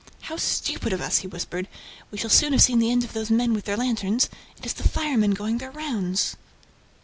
"How stupid of us!" he whispered. "We shall soon have seen the end of those men with their lanterns. It is the firemen going their rounds."